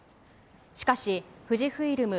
しかし、富士フイルム